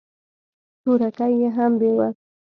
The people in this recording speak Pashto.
تورکى يې هم بېوه.